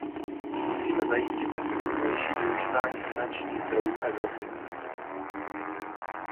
Musíme zajistit efektivnější využívání finančních zdrojů Evropy.